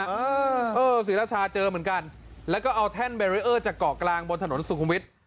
ฮะเออศรีราชาเจอเหมือนกันแล้วก็เอาแท่นจากเกาะกลางบนถนนสุขุมวิท